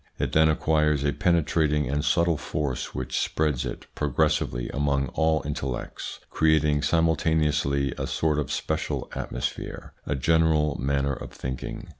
It then acquires a penetrating and subtle force which spreads it progressively among all intellects, creating simul taneously a sort of special atmosphere, a general manner of thinking.